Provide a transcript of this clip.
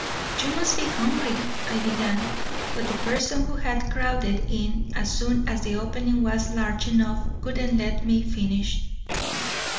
"'You must be hungry,' I began. But the person who had crowded in as soon as the opening was large enough wouldn't let me finish.